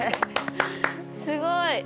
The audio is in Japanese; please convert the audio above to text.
すごい！